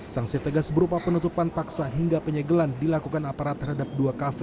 sanksi tegas berupa penutupan paksa hingga penyegelan dilakukan aparat terhadap dua kafe